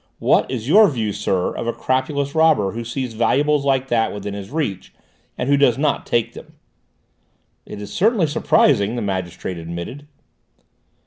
What is your view, sir, of a crapulous robber who sees valuables like that within his reach, and who does not take them?" "It is certainly surprising," the magistrate admitted.